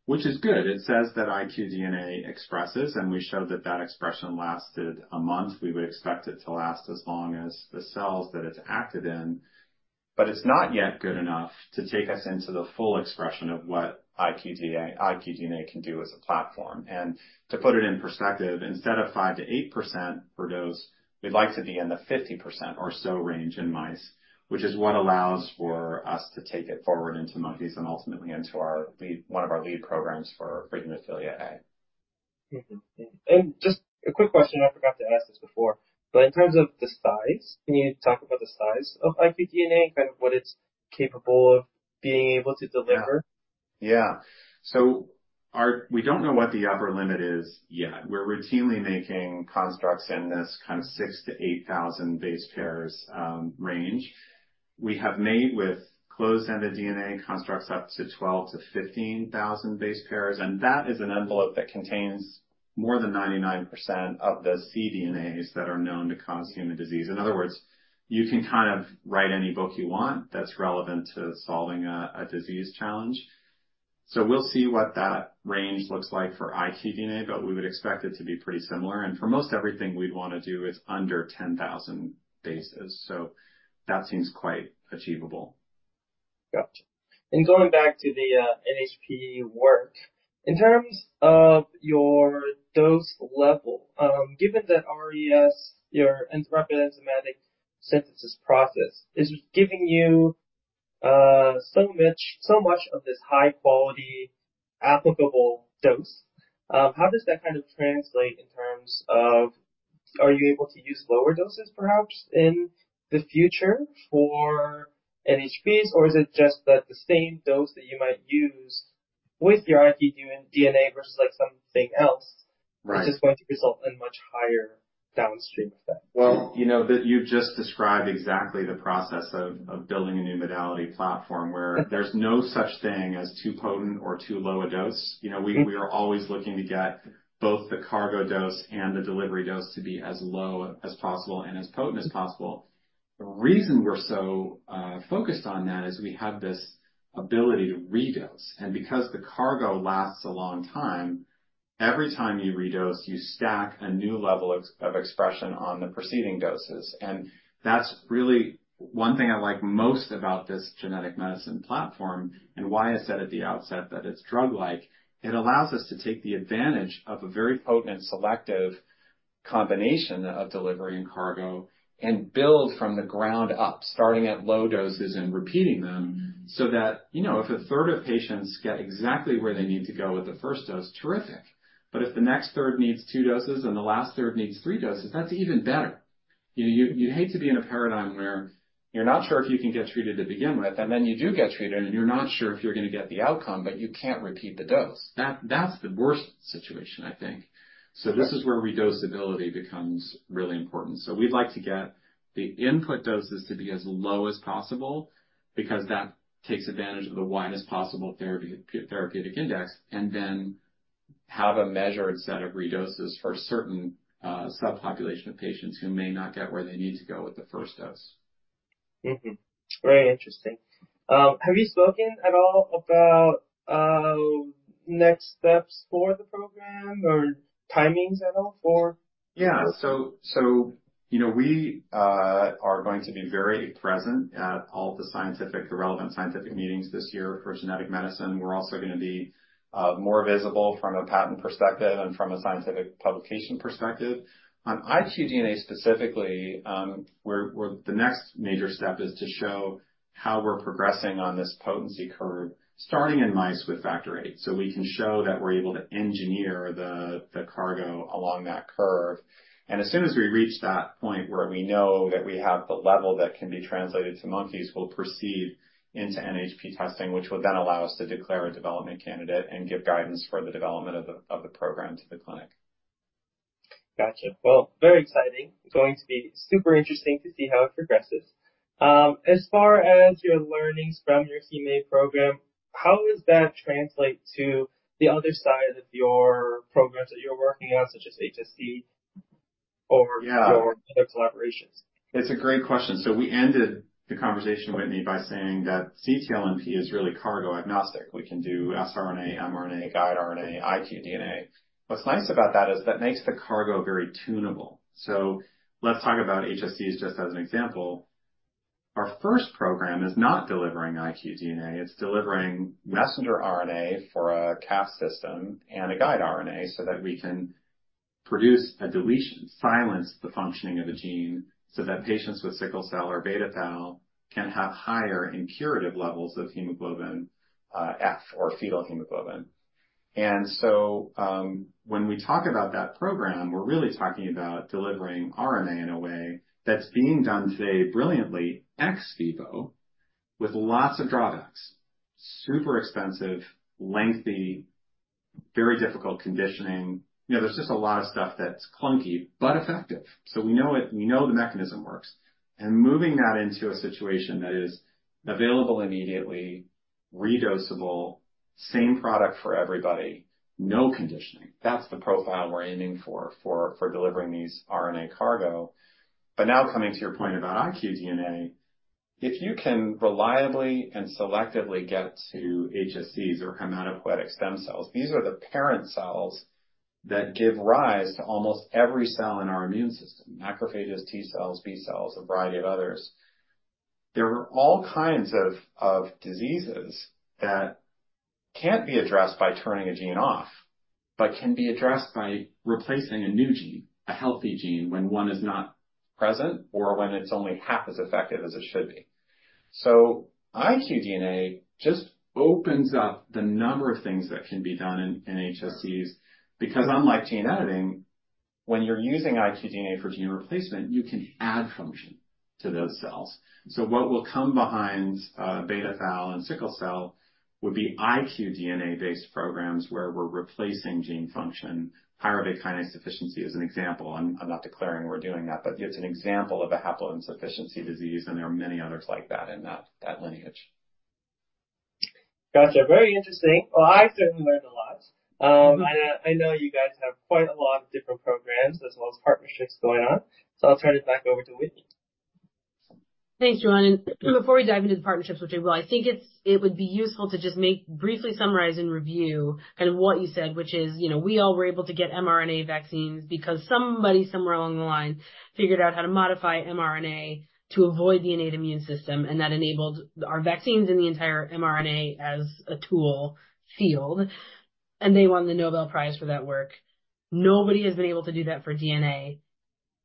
which is good. It says that iqDNA expresses, and we showed that that expression lasted a month. We would expect it to last as long as the cells that it's active in, but it's not yet good enough to take us into the full expression of what iqDNA can do as a platform. To put it in perspective, instead of 5%-8% per dose, we'd like to be in the 50% or so range in mice, which is what allows for us to take it forward into monkeys and ultimately into our lead, one of our lead programs for treating Hemophilia A. Mm-hmm. And just a quick question, I forgot to ask this before, but in terms of the size, can you talk about the size of iqDNA, kind of what it's capable of being able to deliver? Yeah. So we don't know what the upper limit is yet. We're routinely making constructs in this kind of 6,000-8,000 base pairs range. We have made with closed-ended DNA constructs up to 12,000-15,000 base pairs, and that is an envelope that contains more than 99% of the cDNAs that are known to cause human disease. In other words, you can kind of write any book you want that's relevant to solving a disease challenge. So we'll see what that range looks like for iqDNA, but we would expect it to be pretty similar. And for most everything we'd want to do is under 10,000 bases, so that seems quite achievable. Gotcha. And going back to the NHP work, in terms of your dose level, given that RES, your Rapid Enzymatic Synthesis process, is giving you so much, so much of this high quality, applicable dose, how does that kind of translate in terms of are you able to use lower doses, perhaps, in the future for NHPs? Or is it just that the same dose that you might use with your iqDNA versus, like, something else- Right. -which is going to result in much higher downstream effect? Well, you know, that you've just described exactly the process of building a new modality platform where there's no such thing as too potent or too low a dose. You know, we are always looking to get both the cargo dose and the delivery dose to be as low as possible and as potent as possible. The reason we're so focused on that is we have this ability to redose, and because the cargo lasts a long time, every time you redose, you stack a new level of expression on the preceding doses. And that's really one thing I like most about this genetic medicine platform and why I said at the outset that it's drug-like. It allows us to take the advantage of a very potent, selective combination of delivery and cargo and build from the ground up, starting at low doses and repeating them so that, you know, if a third of patients get exactly where they need to go with the first dose, terrific. But if the next third needs two doses and the last third needs three doses, that's even better. You, you'd hate to be in a paradigm where you're not sure if you can get treated to begin with, and then you do get treated, and you're not sure if you're going to get the outcome, but you can't repeat the dose. That, that's the worst situation, I think. Right. So this is where redosability becomes really important. So we'd like to get the input doses to be as low as possible because that takes advantage of the widest possible therapeutic index, and then have a measured set of redoses for a certain subpopulation of patients who may not get where they need to go with the first dose. Mm-hmm. Very interesting. Have you spoken at all about next steps for the program or timings at all for? Yeah. So, you know, we are going to be very present at all the scientific, the relevant scientific meetings this year for genetic medicine. We're also going to be more visible from a patent perspective and from a scientific publication perspective. On iqDNA specifically, the next major step is to show how we're progressing on this potency curve, starting in mice with Factor VIII. So we can show that we're able to engineer the cargo along that curve. And as soon as we reach that point where we know that we have the level that can be translated to monkeys, we'll proceed into NHP testing, which will then allow us to declare a development candidate and give guidance for the development of the program to the clinic. Gotcha. Well, very exciting. Going to be super interesting to see how it progresses. As far as your learnings from your Hem A program, how does that translate to the other side of your programs that you're working on, such as HSC? or other collaborations? It's a great question. So we ended the conversation, Whitney, by saying that ctLNP is really cargo agnostic. We can do siRNA, MRNA, guide RNA, iqDNA. What's nice about that is that makes the cargo very tunable. So let's talk about HSCs just as an example. Our first program is not delivering iqDNA, it's delivering messenger RNA for a Cas system and a guide RNA, so that we can produce a deletion, silence the functioning of a gene so that patients with sickle cell or beta thal can have higher and curative levels of hemoglobin F or fetal hemoglobin. And so, when we talk about that program, we're really talking about delivering RNA in a way that's being done today, brilliantly, ex vivo, with lots of drawbacks, super expensive, lengthy, very difficult conditioning. You know, there's just a lot of stuff that's clunky but effective. So we know it. We know the mechanism works, and moving that into a situation that is available immediately, redosable, same product for everybody, no conditioning. That's the profile we're aiming for, for delivering these RNA cargo. But now coming to your point about iqDNA, if you can reliably and selectively get to HSCs or hematopoietic stem cells, these are the parent cells that give rise to almost every cell in our immune system, macrophages, T-cells, B-cells, a variety of others. There are all kinds of diseases that can't be addressed by turning a gene off, but can be addressed by replacing a new gene, a healthy gene, when one is not present or when it's only half as effective as it should be. So iqDNA just opens up the number of things that can be done in HSCs, because unlike gene editing, when you're using iqDNA for gene replacement, you can add function to those cells. So what will come behind beta thal and sickle cell would be iqDNA-based programs, where we're replacing gene function. Pyruvate kinase deficiency is an example. I'm not declaring we're doing that, but it's an example of a haploinsufficiency disease, and there are many others like that in that lineage. Gotcha. Very interesting. Well, I certainly learned a lot. I know you guys have quite a lot of different programs as well as partnerships going on, so I'll turn it back over to Whitney. Thanks, Juan. And before we dive into the partnerships, which I will, I think it would be useful to just briefly summarize and review kind of what you said, which is, you know, we all were able to get MRNA vaccines because somebody, somewhere along the line, figured out how to modify MRNA to avoid the innate immune system, and that enabled our vaccines and the entire MRNA as a tool field, and they won the Nobel Prize for that work. Nobody has been able to do that for DNA,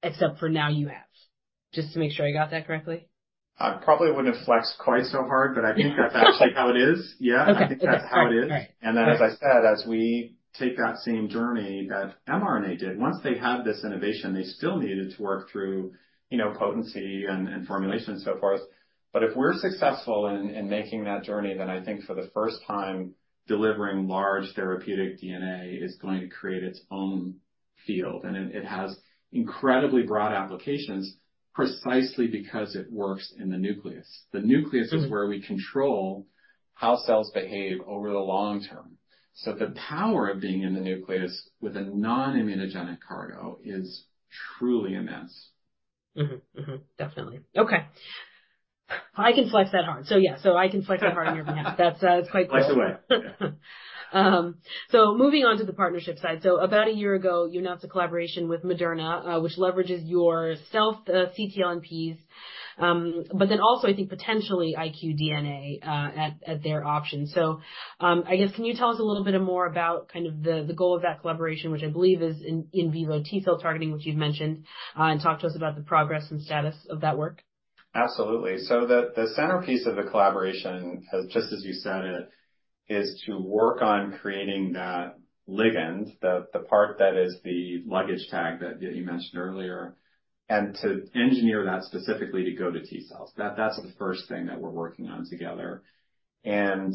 except for now you have. Just to make sure I got that correctly? I probably wouldn't have flexed quite so hard, but I think that's actually how it is. Yeah. Okay. I think that's how it is. All right. And then, as I said, as we take that same journey that MRNA did, once they had this innovation, they still needed to work through, you know, potency and, and formulation and so forth. But if we're successful in, in making that journey, then I think for the first time, delivering large therapeutic DNA is going to create its own field, and it, it has incredibly broad applications precisely because it works in the nucleus. The nucleus is where we control how cells behave over the long term. So the power of being in the nucleus with a non-immunogenic cargo is truly immense. Mm-hmm. Mm-hmm. Definitely. Okay. I can flex that hard. So yeah, so I can flex that hard on your behalf. That's quite cool. Flex away. So moving on to the partnership side. So about a year ago, you announced a collaboration with Moderna, which leverages your ctLNPs, but then also, I think, potentially iqDNA, at their option. So, I guess, can you tell us a little bit more about kind of the goal of that collaboration, which I believe is in vivo T-cell targeting, which you'd mentioned, and talk to us about the progress and status of that work? Absolutely. So the centerpiece of the collaboration, just as you said it, is to work on creating that ligand, the part that is the luggage tag that you mentioned earlier, and to engineer that specifically to go to T-cells. That's the first thing that we're working on together. And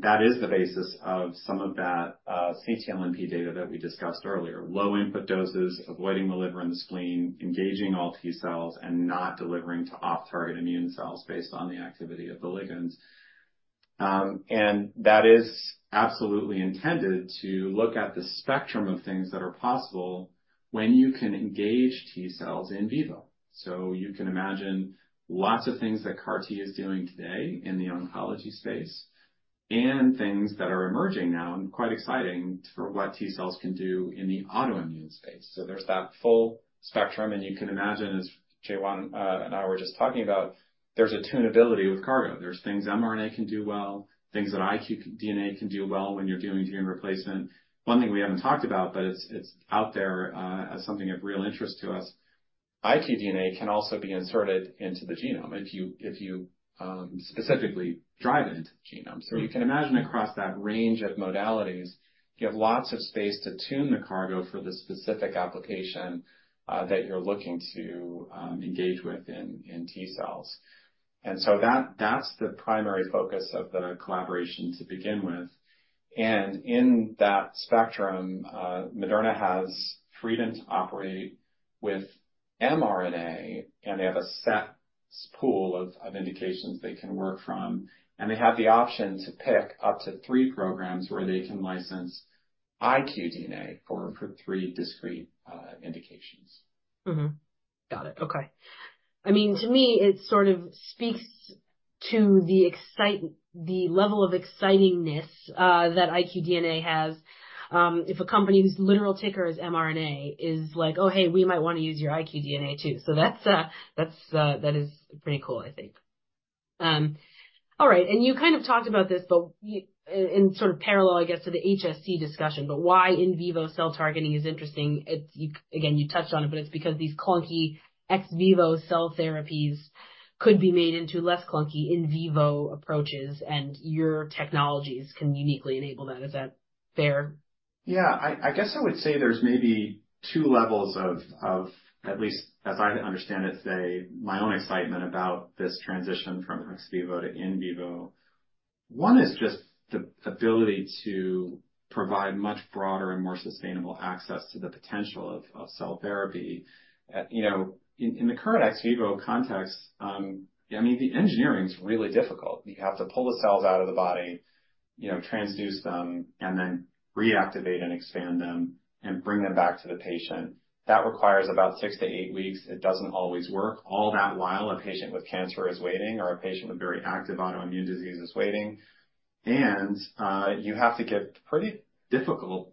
that is the basis of some of that ctLNP data that we discussed earlier. Low input doses, avoiding the liver and the spleen, engaging all T-cells, and not delivering to off-target immune cells based on the activity of the ligands. And that is absolutely intended to look at the spectrum of things that are possible when you can engage T-cells in vivo. So you can imagine lots of things that CAR-T is doing today in the oncology space, and things that are emerging now and quite exciting for what T-cells can do in the autoimmune space. So there's that full spectrum, and you can imagine, as Juan and I were just talking about, there's a tunability with cargo. There's things MRNA can do well, things that iqDNA can do well when you're doing gene replacement. One thing we haven't talked about, but it's out there, as something of real interest to us, iqDNA can also be inserted into the genome if you specifically drive it into the genome. So you can imagine across that range of modalities, you have lots of space to tune the cargo for the specific application that you're looking to engage with in T-cells. And so that's the primary focus of the collaboration to begin with. And in that spectrum, Moderna has freedom to operate with MRNA, and they have a pool of indications they can work from, and they have the option to pick up to three programs where they can license iqDNA for three discrete indications. Mm-hmm. Got it. Okay. I mean, to me, it sort of speaks to the level of excitingness that iqDNA has. If a company's literal ticker is MRNA, is like, "Oh, hey, we might want to use your iqDNA, too." So that's, that is pretty cool, I think. All right, and you kind of talked about this, but in sort of parallel, I guess, to the HSC discussion, but why in vivo cell targeting is interesting? You, again, you touched on it, but it's because these clunky ex vivo cell therapies could be made into less clunky in vivo approaches, and your technologies can uniquely enable that. Is that fair? Yeah. I guess I would say there's maybe two levels of at least, as I understand it today, my own excitement about this transition from ex vivo to in vivo. One is just the ability to provide much broader and more sustainable access to the potential of cell therapy. You know, in the current ex vivo context, I mean, the engineering's really difficult. You have to pull the cells out of the body, you know, transduce them, and then reactivate and expand them and bring them back to the patient. That requires about 6-8 weeks. It doesn't always work. All that while, a patient with cancer is waiting, or a patient with very active autoimmune disease is waiting. You have to get pretty difficult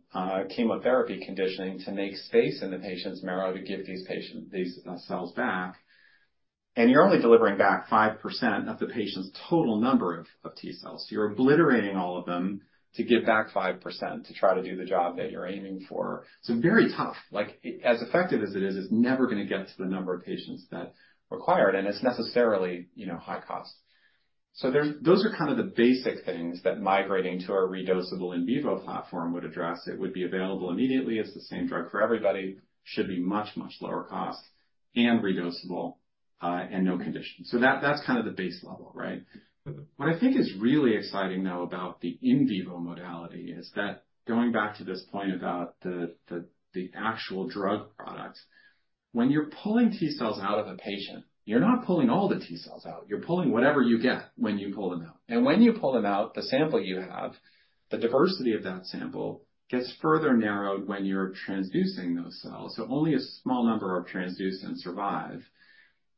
chemotherapy conditioning to make space in the patient's marrow to give these patients these cells back. And you're only delivering back 5% of the patient's total number of T-cells. You're obliterating all of them to give back 5%, to try to do the job that you're aiming for. So very tough. Like, as effective as it is, it's never going to get to the number of patients that require it, and it's necessarily, you know, high cost. So there's... Those are kind of the basic things that migrating to our redosable in vivo platform would address. It would be available immediately. It's the same drug for everybody. Should be much, much lower cost and redosable, and no condition. So that, that's kind of the base level, right? What I think is really exciting, though, about the in vivo modality is that going back to this point about the actual drug product. When you're pulling T-cells out of a patient, you're not pulling all the T-cells out. You're pulling whatever you get when you pull them out. When you pull them out, the sample you have, the diversity of that sample, gets further narrowed when you're transducing those cells, so only a small number are transduced and survive.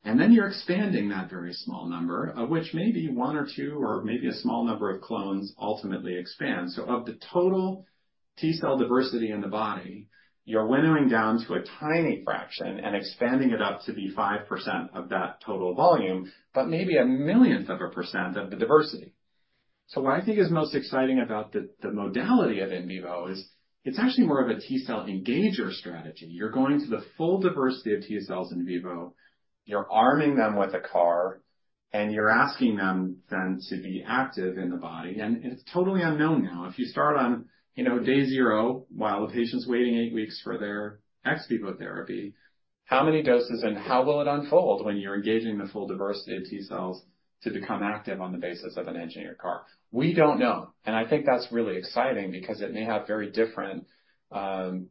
Then you're expanding that very small number, of which maybe one or two or maybe a small number of clones ultimately expand. Of the total T-cell diversity in the body, you're winnowing down to a tiny fraction and expanding it up to be 5% of that total volume, but maybe a millionth of a percent of the diversity. So what I think is most exciting about the modality of in vivo is it's actually more of a T-cell engager strategy. You're going to the full diversity of T-cells in vivo. You're arming them with a CAR, and you're asking them then to be active in the body, and it's totally unknown now. If you start on, you know, day zero, while the patient's waiting eight weeks for their ex vivo therapy, how many doses and how will it unfold when you're engaging the full diversity of T-cells to become active on the basis of an engineered CAR? We don't know, and I think that's really exciting because it may have very different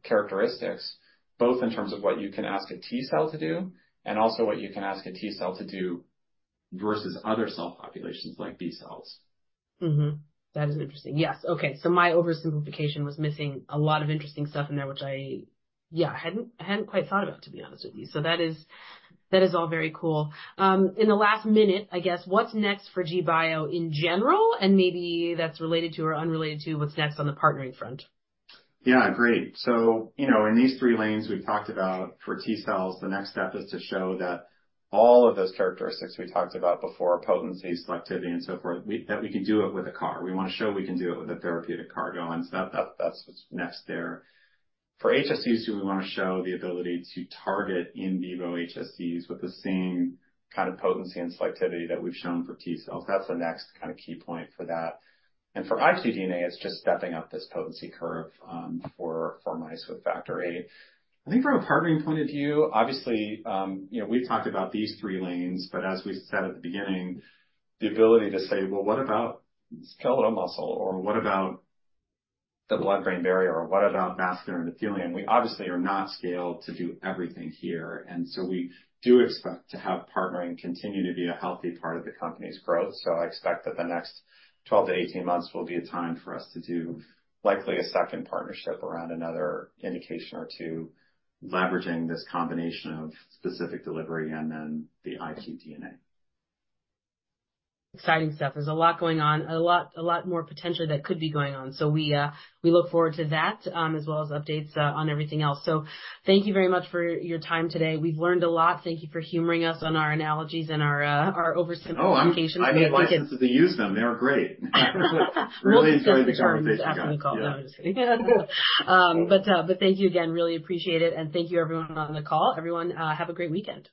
characteristics, both in terms of what you can ask a T-cell to do and also what you can ask a T-cell to do versus other cell populations, like B-cells. Mm-hmm. That is interesting. Yes. Okay, so my oversimplification was missing a lot of interesting stuff in there, which I... Yeah, I hadn't quite thought about, to be honest with you. So that is all very cool. In the last minute, I guess, what's next for GBio in general, and maybe that's related to or unrelated to what's next on the partnering front? Yeah, great. So, you know, in these three lanes we've talked about for T-cells, the next step is to show that all of those characteristics we talked about before, potency, selectivity and so forth, that we can do it with a CAR. We want to show we can do it with a therapeutic cargo. And so that's what's next there. For HSC, we want to show the ability to target in vivo HSCs with the same kind of potency and selectivity that we've shown for T-cells. That's the next kind of key point for that. And for iqDNA, it's just stepping up this potency curve for mice with Factor VIII. I think from a partnering point of view, obviously, you know, we've talked about these three lanes, but as we said at the beginning, the ability to say, "Well, what about skeletal muscle?" Or, "What about the blood-brain barrier?" Or, "What about vascular endothelium?" We obviously are not scaled to do everything here, and so we do expect to have partnering continue to be a healthy part of the company's growth. So I expect that the next 12-18 months will be a time for us to do likely a second partnership around another indication or two, leveraging this combination of specific delivery and then the iqDNA. Exciting stuff. There's a lot going on, a lot, a lot more potentially that could be going on. So we, we look forward to that, as well as updates, on everything else. So thank you very much for your time today. We've learned a lot. Thank you for humoring us on our analogies and our, our oversimplification. Oh, I need licenses to use them. They were great. Really enjoyed the conversation. Thank you again. Really appreciate it, and thank you, everyone, on the call. Everyone, have a great weekend.